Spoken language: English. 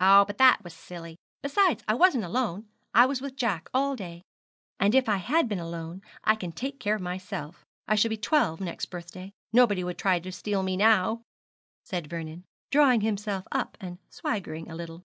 'Oh, but that was silly. Besides, I wasn't alone I was with Jack all day. And if I had been alone, I can take care of myself I shall be twelve next birthday. Nobody would try to steal me now,' said Vernon, drawing himself up and swaggering a little.